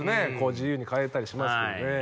自由に買えたりしますけどええ